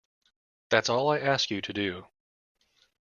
That's all I ask you to do.